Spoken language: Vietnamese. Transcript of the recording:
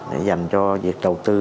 để dành cho việc đầu tư